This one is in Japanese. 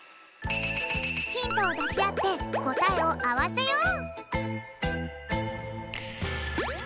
ヒントをだしあってこたえをあわせよう！